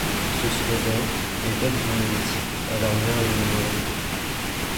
Ce slogan, et d'autres du même type, alarmèrent les minorités.